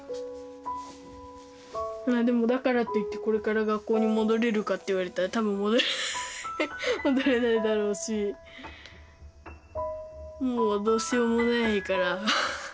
まあでもだからといってこれから学校に戻れるかって言われたら多分戻れない戻れないだろうしもうどうしようもないから。